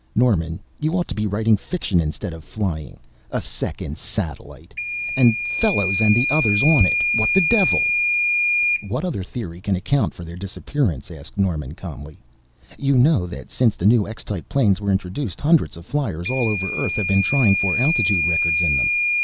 "Norman, you ought to be writing fiction instead of flying. A second satellite and Fellows and the others on it what the devil!" "What other theory can account for their disappearance?" asked Norman calmly. "You know that since the new X type planes were introduced, hundreds of fliers all over Earth have been trying for altitude records in them.